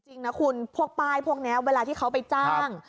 จริงนะคุณพวกป้ายพวกนี้เวลาที่เขาไปจ้าง